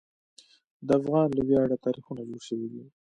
د افغان له ویاړه تاریخونه جوړ شوي دي.